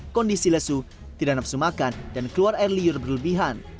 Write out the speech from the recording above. kondisi lesu tidak nafsu makan dan keluar air liur berlebihan